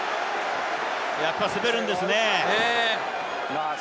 やっぱり滑るんですね。